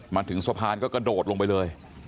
มาถึงสะพานก็กระโดดลงไปเลย